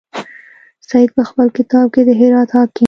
سید په خپل کتاب کې د هرات حاکم.